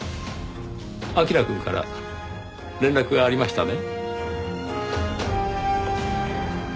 彬くんから連絡がありましたね？